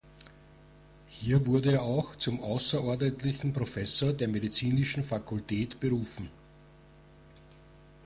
Hier wurde er auch zum außerordentlichen Professor der Medizinischen Fakultät berufen.